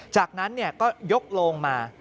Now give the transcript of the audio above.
จากนั้นเนี่ยก็ยกลงมา